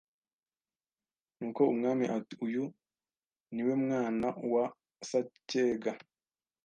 Nuko umwami ati uyu ni we mwana wa Sacyega